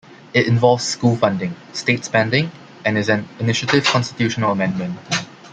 It involves school funding, state spending, and is an initiative constitutional amendment.